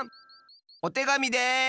おてがみです！